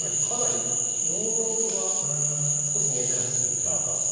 かなり４四歩は少し珍しいというか。